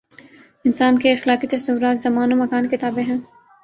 انسان کے اخلاقی تصورات زمان و مکان کے تابع ہیں۔